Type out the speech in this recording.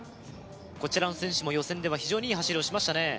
こちらの選手も予選では非常にいい走りをしましたね